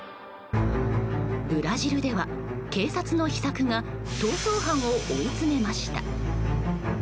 ブラジルでは警察の秘策が逃走犯を追い詰めました。